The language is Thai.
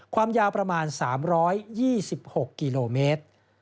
ความยาวประมาณ๓๒๖กิโลเมตร